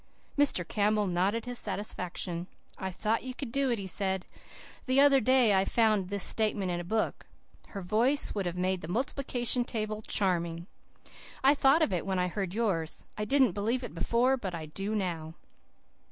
Mr. Campbell nodded his satisfaction. "I thought you could do it," he said. "The other day I found this statement in a book. 'Her voice would have made the multiplication table charming!' I thought of it when I heard yours. I didn't believe it before, but I do now."